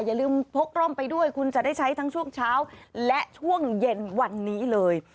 อย่าลืมพกร่มไปด้วยคุณจะได้ใช้ทั้งช่วงเช้าและช่วงเย็นวันนี้เลย